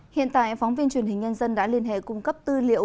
hiện tại phóng viên truyền hình nhân dân đã liên hệ cung cấp tư liệu